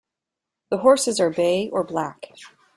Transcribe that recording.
The horses are bay or black.